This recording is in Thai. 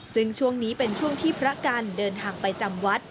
ซึ่งช่วงนี้เป็นช่วงที่พระกันเดินทางไปจำวัด